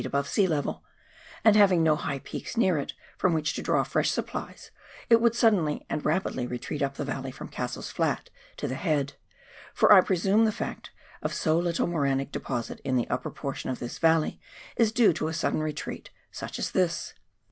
above sea level, and, having no high peaks near it from which to draw fresh supplies, it would suddenly and rapidly retreat up the valley from Cassell's Flat to the head : for I presume the fact of so little morainic deposit in the upper portion of this valley is due to a sudden retreat such as this.